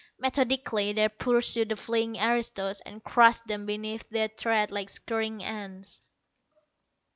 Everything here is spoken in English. Methodically they pursued the fleeing aristos, and crushed them beneath their tread like scurrying ants.